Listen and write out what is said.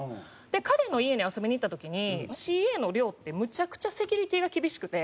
で彼の家に遊びに行った時にＣＡの寮ってむちゃくちゃセキュリティーが厳しくて。